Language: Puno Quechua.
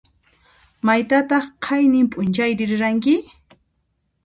Maytataq qayninp'unchayri riranki?